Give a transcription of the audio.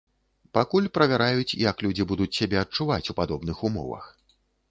Пакуль правяраюць, як людзі будуць сябе адчуваць у падобных умовах.